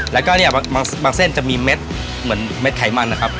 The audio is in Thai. แล้วก็เนี่ยบางเส้นจะมีเม็ดเหมือนเม็ดไขมันนะครับ